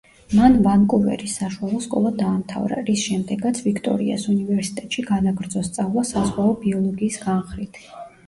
მან ვანკუვერის საშუალო სკოლა დაამთავრა, რის შემდეგაც ვიქტორიას უნივერსიტეტში განაგრძო სწავლა საზღვაო ბიოლოგიის განხრით.